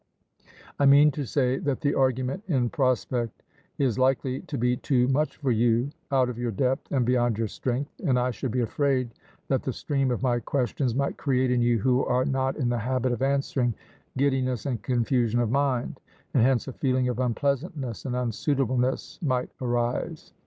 I mean to say that the argument in prospect is likely to be too much for you, out of your depth and beyond your strength, and I should be afraid that the stream of my questions might create in you who are not in the habit of answering, giddiness and confusion of mind, and hence a feeling of unpleasantness and unsuitableness might arise.